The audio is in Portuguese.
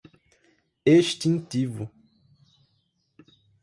extintivo